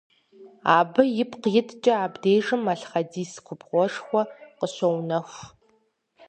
Абы ипкъ иткӏэ абдежым малъхъэдис губгъуэшхуэ къыщоунэху.